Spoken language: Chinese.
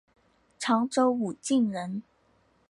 常州武进人。